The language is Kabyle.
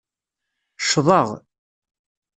Ccḍeɣ.